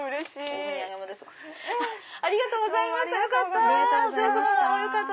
ありがとうございますよかった！